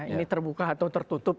ini terbuka atau tertutup